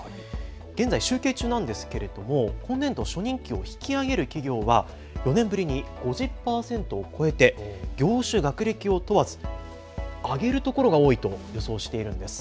現在、集計中なんですけれども今年度、初任給を引き上げる企業は４年ぶりに５０％を超えて業種、学歴を問わず上げるところが多いと予想しているんです。